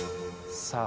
さあ